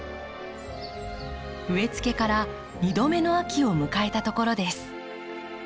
植えつけから２度目の秋を迎えたところです。